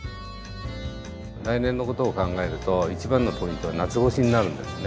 来年の事を考えると一番のポイントは夏越しになるんですね。